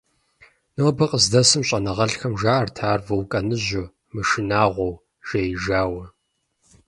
Нобэр къыздэсым щӏэныгъэлӏхэм жаӏэрт ар вулканыжьу, мышынагъуэу, «жеижауэ».